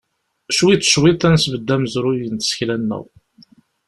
Cwiṭ cwiṭ, ad nesbedd amezruy n tsekla-nneɣ.